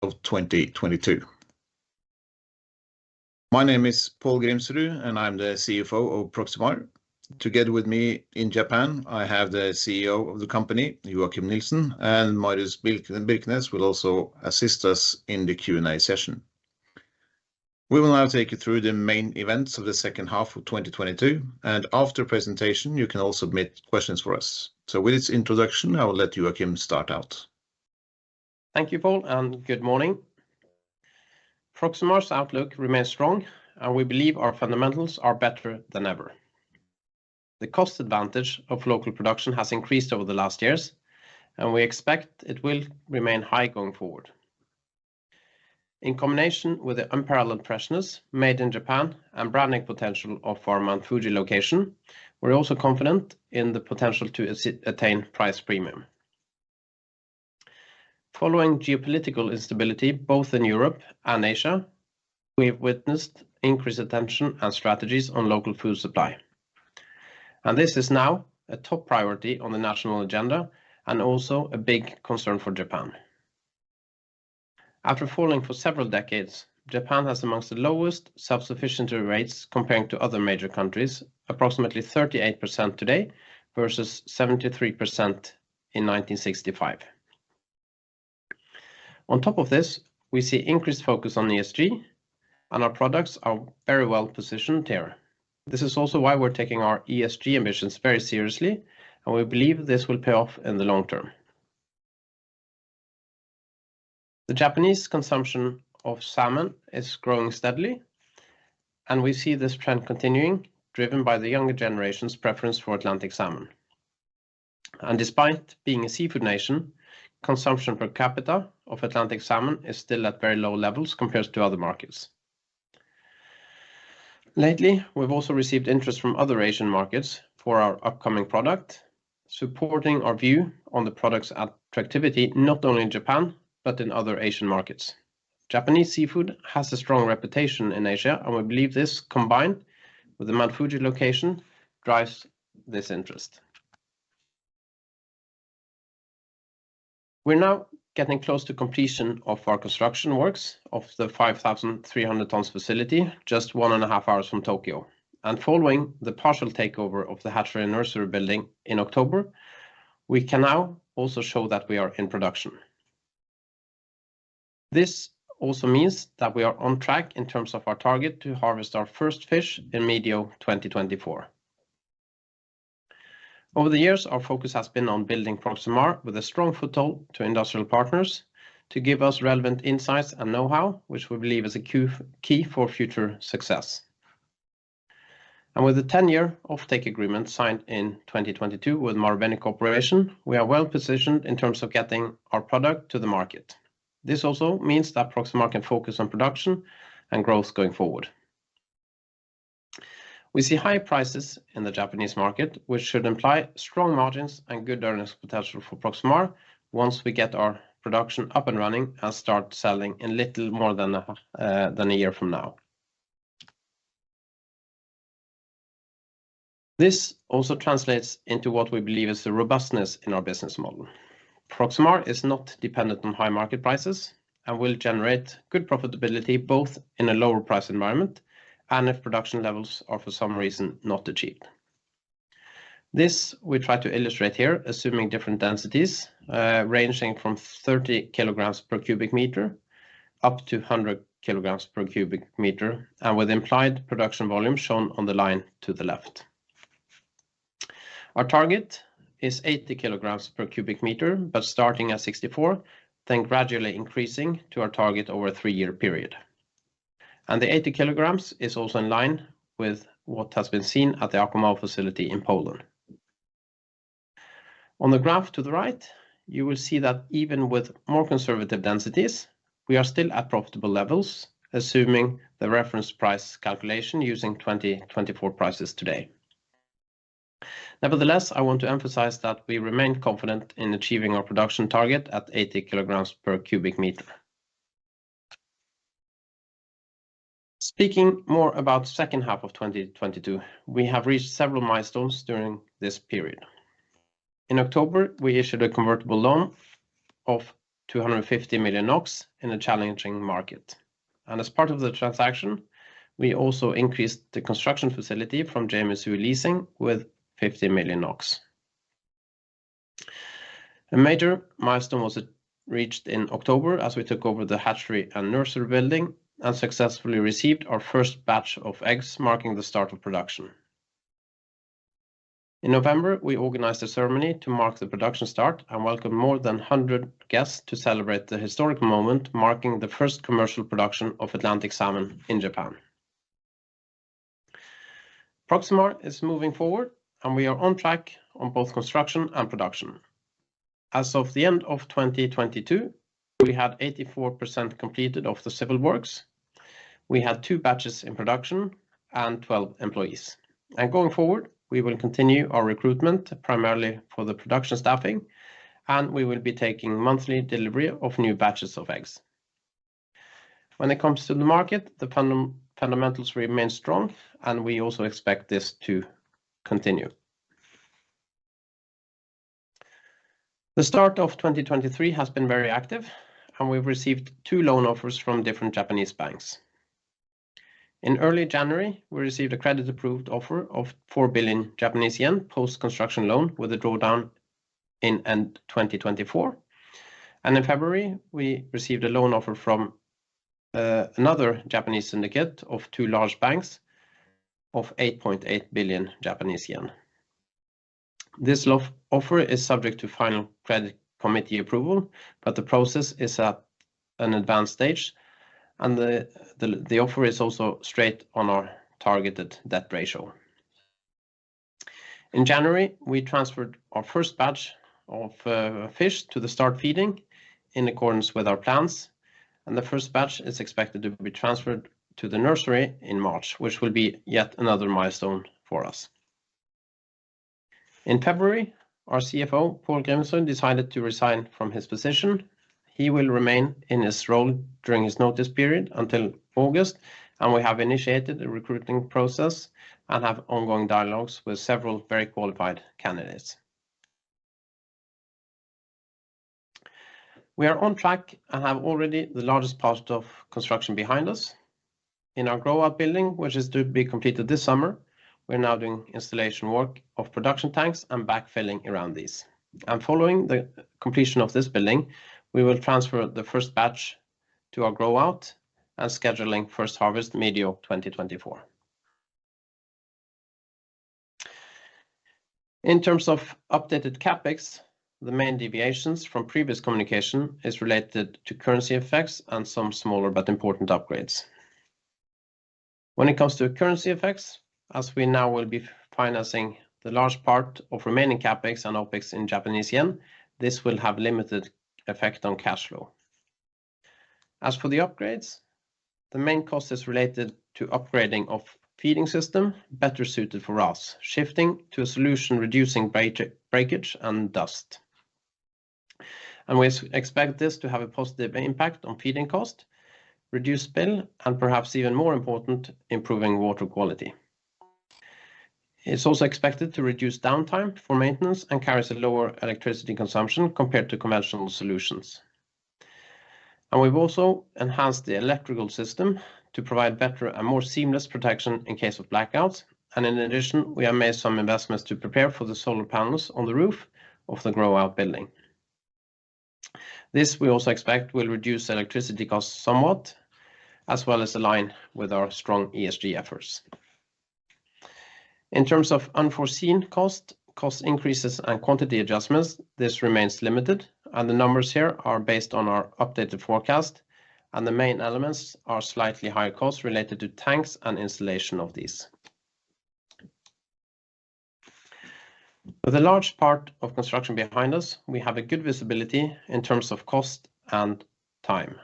Of 2022. My name is Pål Grimsrud, and I'm the CFO of Proximar. Together with me in Japan, I have the CEO of the company, Joachim Nielsen, and Marius Birkenes will also assist us in the Q&A session. We will now take you through the main events of the second half of 2022, and after presentation, you can all submit questions for us. With this introduction, I will let Joachim start out. Thank you, Pål, and good morning. Proximar's outlook remains strong, and we believe our fundamentals are better than ever. The cost advantage of local production has increased over the last years, and we expect it will remain high going forward. In combination with the unparalleled freshness made in Japan and branding potential of our Mount Fuji location, we're also confident in the potential to as-attain price premium. Following geopolitical instability both in Europe and Asia, we have witnessed increased attention and strategies on local food supply. This is now a top priority on the national agenda and also a big concern for Japan. After falling for several decades, Japan has amongst the lowest self-sufficiency rates comparing to other major countries, approximately 38% today versus 73% in 1965. On top of this, we see increased focus on ESG, and our products are very well-positioned here. This is also why we're taking our ESG emissions very seriously. We believe this will pay off in the long term. The Japanese consumption of salmon is growing steadily. We see this trend continuing, driven by the younger generation's preference for Atlantic salmon. Despite being a seafood nation, consumption per capita of Atlantic salmon is still at very low levels compared to other markets. Lately, we've also received interest from other Asian markets for our upcoming product, supporting our view on the product's attractivity, not only in Japan but in other Asian markets. Japanese seafood has a strong reputation in Asia. We believe this, combined with the Mount Fuji location, drives this interest. We're now getting close to completion of our construction works of the 5,300 tons facility just 1.5 hours from Tokyo. Following the partial takeover of the hatchery and nursery building in October, we can now also show that we are in production. This also means that we are on track in terms of our target to harvest our first fish in medio 2024. Over the years, our focus has been on building Proximar with a strong foothold to industrial partners to give us relevant insights and know-how, which we believe is a key for future success. With the 10-year offtake agreement signed in 2022 with Marubeni Corporation, we are well positioned in terms of getting our product to the market. This also means that Proximar can focus on production and growth going forward. We see high prices in the Japanese market, which should imply strong margins and good earnings potential for Proximar once we get our production up and running and start selling in little more than a year from now. This also translates into what we believe is the robustness in our business model. Proximar is not dependent on high market prices and will generate good profitability both in a lower price environment and if production levels are, for some reason, not achieved. This we try to illustrate here assuming different densities, ranging from 30 kilograms per cubic meter up to 100 kilograms per cubic meter and with implied production volume shown on the line to the left. Our target is 80 kilograms per cubic meter, but starting at 64, then gradually increasing to our target over a three-year period. The 80 kilograms is also in line with what has been seen at the AquaMaof facility in Poland. On the graph to the right, you will see that even with more conservative densities, we are still at profitable levels, assuming the reference price calculation using 2024 prices today. Nevertheless, I want to emphasize that we remain confident in achieving our production target at 80 kilograms per cubic meter. Speaking more about second half of 2022, we have reached several milestones during this period. In October, we issued a convertible loan of 250 million NOK in a challenging market. As part of the transaction, we also increased the construction facility from JA Mitsui Leasing with 50 million NOK. A major milestone was reached in October as we took over the hatchery and nursery building and successfully received our first batch of eggs marking the start of production. In November, we organized a ceremony to mark the production start and welcomed more than 100 guests to celebrate the historic moment marking the first commercial production of Atlantic salmon in Japan. Proximar is moving forward, we are on track on both construction and production. As of the end of 2022, we had 84% completed of the civil works. We had two batches in production and 12 employees. Going forward, we will continue our recruitment primarily for the production staffing, and we will be taking monthly delivery of new batches of eggs. When it comes to the market, the fundamentals remain strong, and we also expect this to continue. The start of 2023 has been very active, and we've received two loan offers from different Japanese banks. In early January, we received a credit-approved offer of 4 billion Japanese yen post-construction loan with a drawdown in end 2024. In February, we received a loan offer from another Japanese syndicate of two large banks of 8.8 billion Japanese yen. This offer is subject to final credit committee approval, but the process is at an advanced stage, and the offer is also straight on our targeted debt ratio. In January, we transferred our first batch of fish to the start feeding in accordance with our plans, and the first batch is expected to be transferred to the nursery in March, which will be yet another milestone for us. In February, our CFO, Pål Grimsrud, decided to resign from his position. He will remain in his role during his notice period until August, and we have initiated a recruiting process and have ongoing dialogues with several very qualified candidates. We are on track and have already the largest part of construction behind us. In our grow-out building, which is to be completed this summer, we're now doing installation work of production tanks and backfilling around these. Following the completion of this building, we will transfer the first batch to our grow-out and scheduling first harvest medio 2024. In terms of updated CapEx, the main deviations from previous communication is related to currency effects and some smaller but important upgrades. When it comes to currency effects, as we now will be financing the large part of remaining CapEx and OpEx in Japanese yen, this will have limited effect on cash flow. As for the upgrades, the main cost is related to upgrading of feeding system better suited for us, shifting to a solution reducing breakage and dust. We expect this to have a positive impact on feeding cost, reduce spill, and perhaps even more important, improving water quality. It's also expected to reduce downtime for maintenance and carries a lower electricity consumption compared to conventional solutions. We've also enhanced the electrical system to provide better and more seamless protection in case of blackouts. In addition, we have made some investments to prepare for the solar panels on the roof of the grow-out building. This we also expect will reduce electricity costs somewhat, as well as align with our strong ESG efforts. In terms of unforeseen cost increases, and quantity adjustments, this remains limited, and the numbers here are based on our updated forecast, and the main elements are slightly higher costs related to tanks and installation of these. With a large part of construction behind us, we have a good visibility in terms of cost and time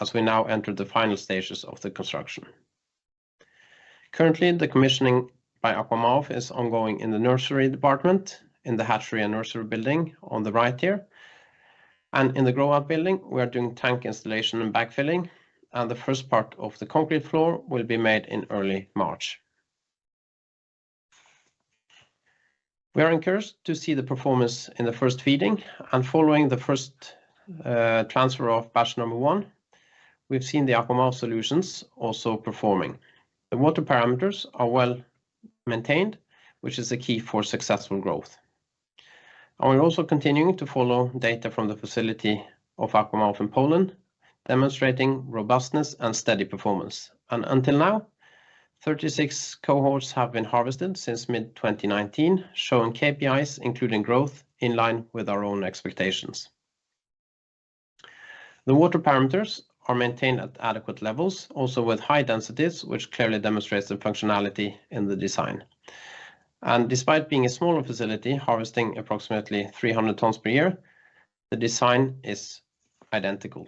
as we now enter the final stages of the construction. Currently, the commissioning by AquaMaof is ongoing in the nursery department, in the hatchery and nursery building on the right here. In the grow-out building, we are doing tank installation and backfilling, and the first part of the concrete floor will be made in early March. We are encouraged to see the performance in the first feeding, and following the first transfer of batch number one, we've seen the AquaMaof solutions also performing. The water parameters are well maintained, which is the key for successful growth. We're also continuing to follow data from the facility of AquaMaof in Poland, demonstrating robustness and steady performance. Until now, 36 cohorts have been harvested since mid-2019, showing KPIs, including growth, in line with our own expectations. The water parameters are maintained at adequate levels, also with high densities, which clearly demonstrates the functionality in the design. Despite being a smaller facility, harvesting approximately 300 tons per year, the design is identical.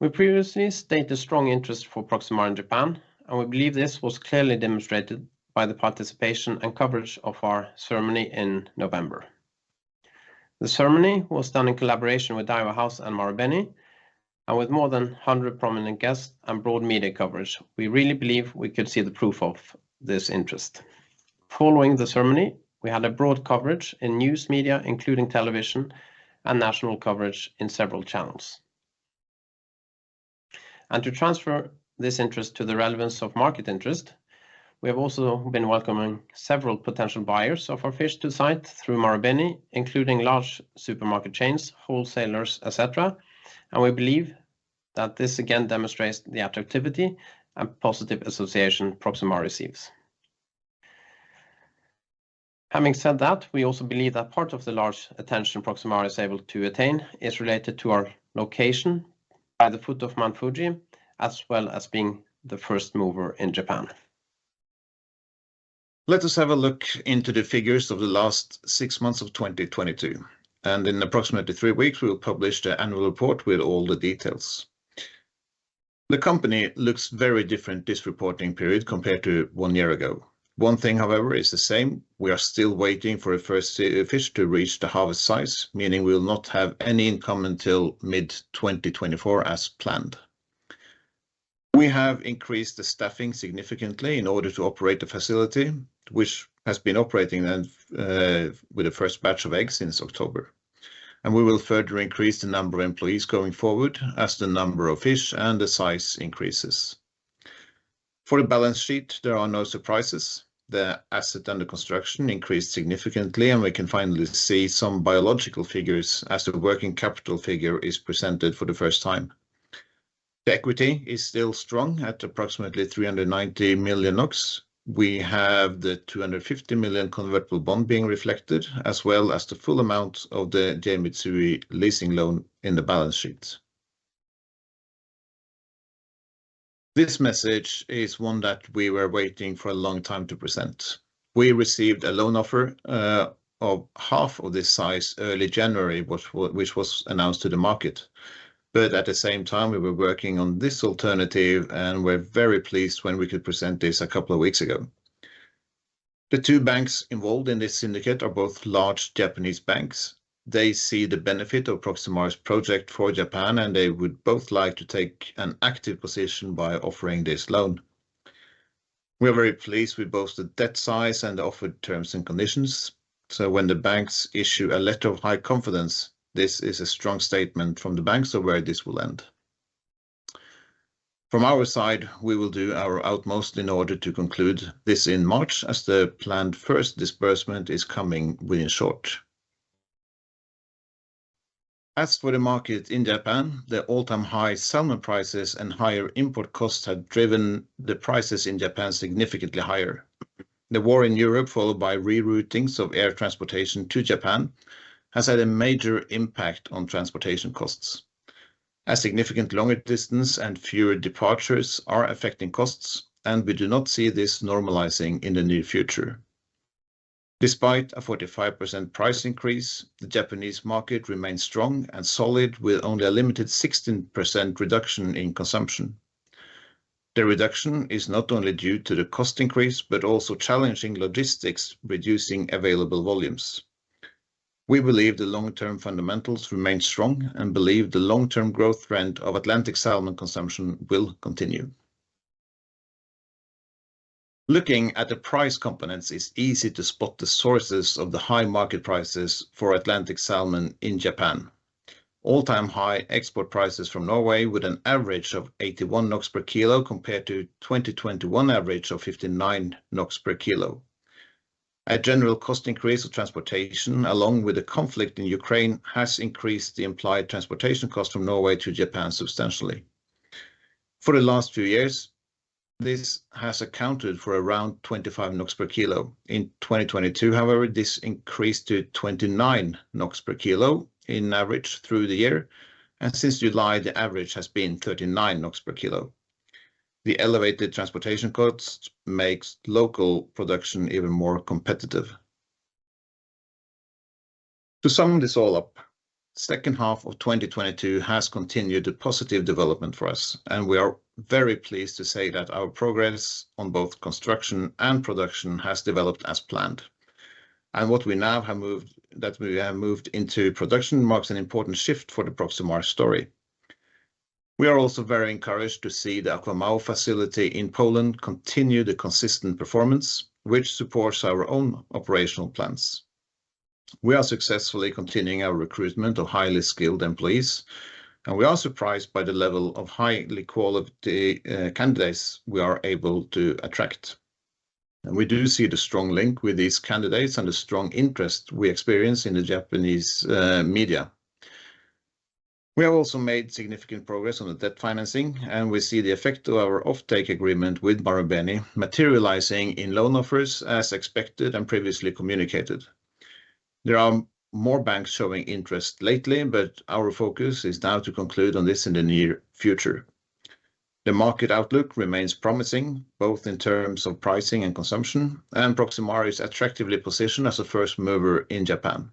We previously stated strong interest for Proximar in Japan, we believe this was clearly demonstrated by the participation and coverage of our ceremony in November. The ceremony was done in collaboration with Daiwa House and Marubeni. With more than 100 prominent guests and broad media coverage, we really believe we could see the proof of this interest. Following the ceremony, we had a broad coverage in news media, including television and national coverage in several channels. To transfer this interest to the relevance of market interest, we have also been welcoming several potential buyers of our fish to site through Marubeni, including large supermarket chains, wholesalers, et cetera. We believe that this again demonstrates the attractivity and positive association Proximar receives. Having said that, we also believe that part of the large attention Proximar is able to attain is related to our location at the foot of Mount Fuji, as well as being the first mover in Japan. Let us have a look into the figures of the last six months of 2022. In approximately three weeks, we will publish the annual report with all the details. The company looks very different this reporting period compared to one year ago. One thing, however, is the same. We are still waiting for the first fish to reach the harvest size, meaning we will not have any income until mid-2024 as planned. We have increased the staffing significantly in order to operate the facility, which has been operating then, with the first batch of eggs since October. We will further increase the number of employees going forward as the number of fish and the size increases. For the balance sheet, there are no surprises. The asset under construction increased significantly, we can finally see some biological figures as the working capital figure is presented for the first time. The equity is still strong at approximately 390 million NOK. We have the 250 million convertible bond being reflected, as well as the full amount of the JA Mitsui Leasing loan in the balance sheet. This message is one that we were waiting for a long time to present. We received a loan offer of half of this size early January, which was announced to the market. At the same time, we were working on this alternative, we're very pleased when we could present this a couple of weeks ago. The two banks involved in this syndicate are both large Japanese banks. They see the benefit of Proximar's project for Japan, and they would both like to take an active position by offering this loan. We are very pleased with both the debt size and the offered terms and conditions. When the banks issue a letter of high confidence, this is a strong statement from the banks of where this will end. From our side, we will do our utmost in order to conclude this in March as the planned first disbursement is coming within short. As for the market in Japan, the all-time high salmon prices and higher import costs have driven the prices in Japan significantly higher. The war in Europe, followed by reroutings of air transportation to Japan, has had a major impact on transportation costs. A significant longer distance and fewer departures are affecting costs, and we do not see this normalizing in the near future. Despite a 45% price increase, the Japanese market remains strong and solid, with only a limited 16% reduction in consumption. The reduction is not only due to the cost increase, but also challenging logistics, reducing available volumes. We believe the long-term fundamentals remain strong and believe the long-term growth trend of Atlantic salmon consumption will continue. Looking at the price components, it's easy to spot the sources of the high market prices for Atlantic salmon in Japan. All-time high export prices from Norway with an average of 81 NOK per kilo, compared to 2021 average of 59 NOK per kilo. A general cost increase of transportation along with the conflict in Ukraine has increased the implied transportation cost from Norway to Japan substantially. For the last few years, this has accounted for around 25 NOK per kilo. In 2022, however, this increased to 29 NOK per kilo in average through the year. Since July, the average has been 39 NOK per kilo. The elevated transportation costs makes local production even more competitive. To sum this all up, second half of 2022 has continued the positive development for us, and we are very pleased to say that our progress on both construction and production has developed as planned. What we now have moved into production marks an important shift for the Proximar story. We are also very encouraged to see the AquaMaof facility in Poland continue the consistent performance, which supports our own operational plans. We are successfully continuing our recruitment of highly skilled employees, and we are surprised by the level of highly quality candidates we are able to attract. We do see the strong link with these candidates and the strong interest we experience in the Japanese media. We have also made significant progress on the debt financing, and we see the effect of our offtake agreement with Marubeni materializing in loan offers as expected and previously communicated. There are more banks showing interest lately, but our focus is now to conclude on this in the near future. The market outlook remains promising, both in terms of pricing and consumption, and Proximar is attractively positioned as a first mover in Japan.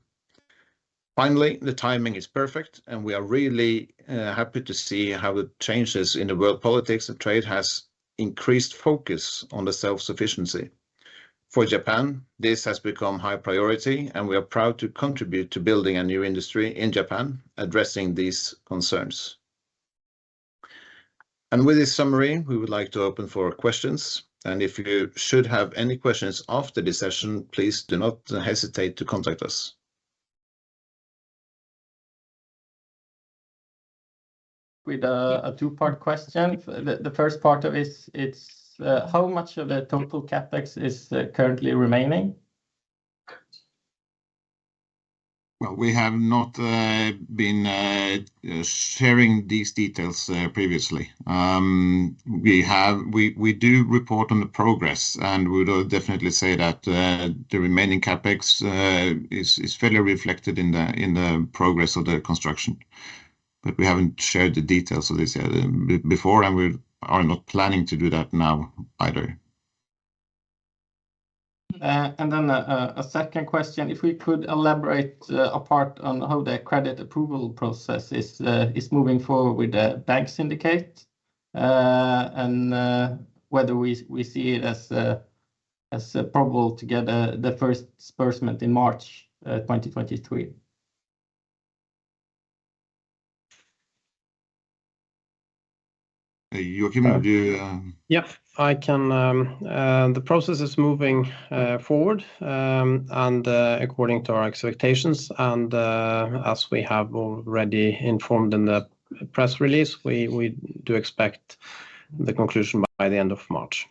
Finally, the timing is perfect, and we are really happy to see how the changes in the world politics and trade has increased focus on the self-sufficiency. For Japan, this has become high priority, and we are proud to contribute to building a new industry in Japan addressing these concerns. With this summary, we would like to open for questions. If you should have any questions after this session, please do not hesitate to contact us. With a two-part question. The first part of this is, how much of the total CapEx is currently remaining? Well, we have not been sharing these details previously. We do report on the progress, and we would definitely say that the remaining CapEx is fairly reflected in the progress of the construction. We haven't shared the details of this yet before, and we are not planning to do that now either. A second question. If we could elaborate apart on how the credit approval process is moving forward with the bank syndicate, and whether we see it as probable to get the first disbursement in March 2023? Hey, Joachim, would you? Yeah, I can, the process is moving forward, and according to our expectations, and as we have already informed in the press release, we do expect the conclusion by the end of March.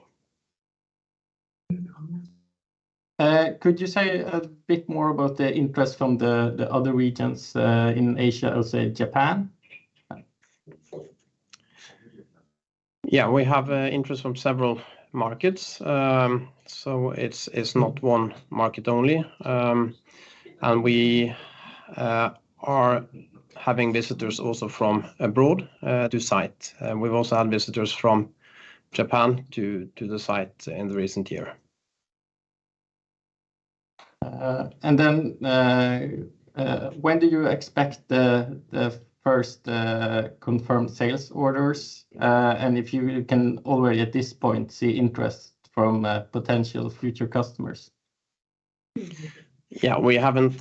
Could you say a bit more about the interest from the other regions, in Asia, let's say Japan? Yeah. We have interest from several markets. It's not one market only. We are having visitors also from abroad to site. We've also had visitors from Japan to the site in the recent year. When do you expect the first confirmed sales orders, and if you can already at this point see interest from potential future customers? Yeah. We don't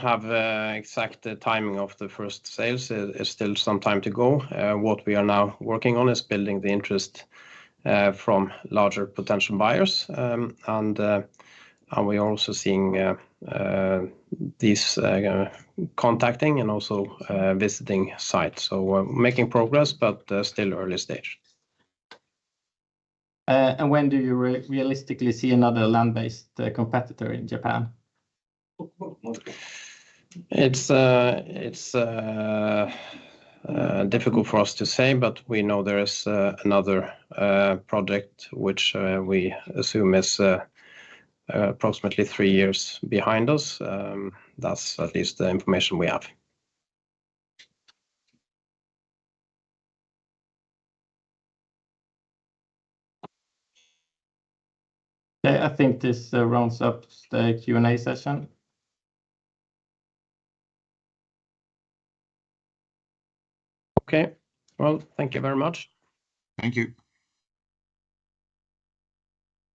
have a exact timing of the first sales. There's still some time to go. What we are now working on is building the interest from larger potential buyers. We're also seeing these contacting and also visiting sites. We're making progress but still early stage. When do you realistically see another land-based competitor in Japan? It's difficult for us to say, but we know there is another project which we assume is approximately 3 years behind us. That's at least the information we have. Okay. I think this rounds up the Q&A session. Okay. Well, thank you very much. Thank you.